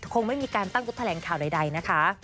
คงไม่มีการตั้งทุกฐานแท้นข่าวใดนะคะ